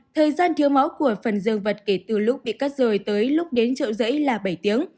thời gian thiếu máu của phần dương vật kể từ lúc bị cắt rời tới lúc đến chợ rẫy là bảy tiếng